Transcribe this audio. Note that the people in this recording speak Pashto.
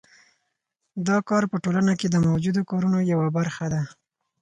دا کار په ټولنه کې د موجودو کارونو یوه برخه ده